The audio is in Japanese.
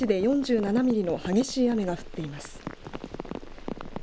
小林市で４７ミリの激しい雨が降っています。